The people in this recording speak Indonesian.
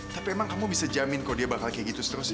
tapi emang kamu bisa jamin kok dia bakal kayak gitu seterusnya